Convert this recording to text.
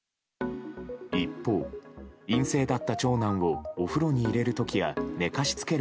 一方、陰性だった長男をお風呂に入れる時や寝かしつける